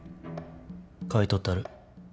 買い取ったる。